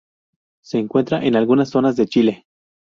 Se encuentra en algunas zonas de Chile.